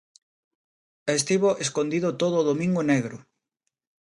Estivo escondido todo o domingo negro.